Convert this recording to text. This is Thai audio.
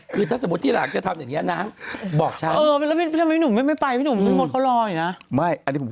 คือถ้าสมมติที่หลากจะทำอย่างนี้นะบอกฉันนะฮ่าฮะครับด